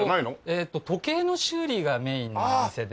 えーっと時計の修理がメインのお店で。